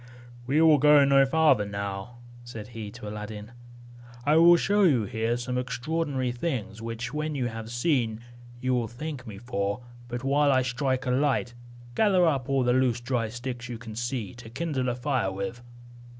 "We will go no farther now," said he to Aladdin; "I will show you here some extraordinary things, which, when you have seen, you will thank me for: but while I strike a light, gather up all the loose dry sticks you can see, to kindle a fire with."